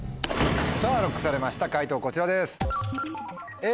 さぁＬＯＣＫされました解答こちらです。